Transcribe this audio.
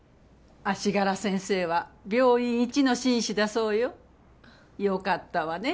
足柄先生は病院一の紳士だそうよ。よかったわね